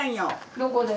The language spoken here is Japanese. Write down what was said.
どこで？